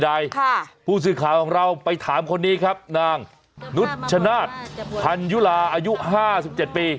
ผู้สื่อข่าวของเราไปถามคนนี้ครับนางนุชชนาธิ์พันยุลาอายุห้าสิบเจ็ดปี